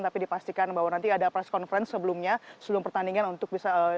tapi dipastikan bahwa nanti ada press conference sebelumnya sebelum pertandingan untuk bisa